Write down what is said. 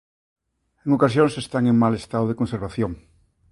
En ocasións están en mal estado de conservación.